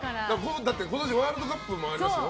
今年ワールドカップもありますよ。